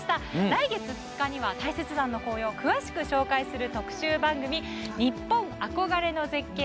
来月２日には大雪山の紅葉を詳しく紹介する特集番組「にっぽん憧れの絶景